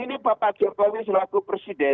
ini bapak jokowi selaku presiden